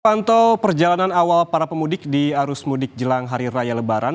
pantau perjalanan awal para pemudik di arus mudik jelang hari raya lebaran